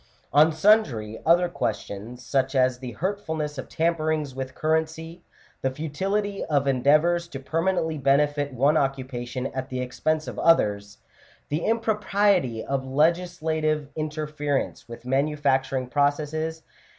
On sundry other questions, such as the hurtfulness of tamperings with currency, the futility of endeavours to permanently benefit one occupation at the expense of others, the impropriety of legis lative interference with manufacturing processes, &c.